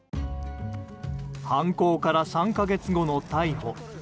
犯行から３か月後の逮捕。